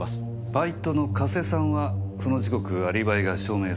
バイトの加瀬さんはその時刻アリバイが証明されています。